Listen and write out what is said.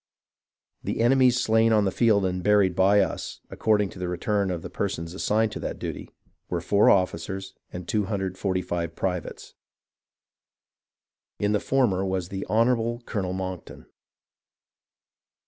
The enemy's slain on the field and buried by us — according to the return of the persons assigned to that duty — were four officers and 245 privates. In the former was the Honourable Colonel Monckton.